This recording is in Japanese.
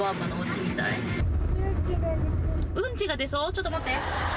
ちょっと待って。